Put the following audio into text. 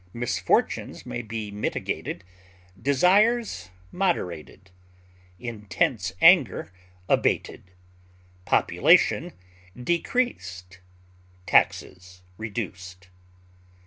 Misfortunes may be mitigated, desires moderated, intense anger abated, population decreased, taxes reduced.